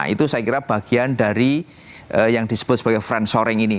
itu saya kira bagian dari yang disebut sebagai friend shoring ini